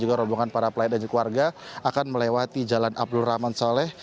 juga rombongan para pelayat dan keluarga akan melewati jalan abdul rahman saleh